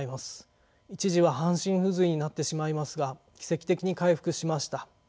一時は半身不随になってしまいますが奇跡的に回復しました。